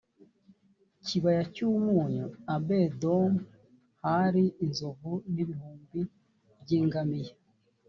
kibaya cy’umunyu abedomu hari inzovu n’ibihumbi by’ingamiya